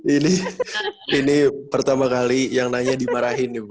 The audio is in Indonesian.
ini ini pertama kali yang nanya dimarahin nih bu